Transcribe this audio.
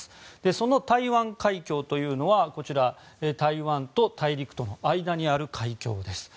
その台湾海峡というのはこちら台湾と大陸との間にある海峡です。